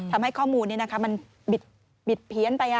ทำให้ข้อมูลนี้มันบิดเพี้ยนไป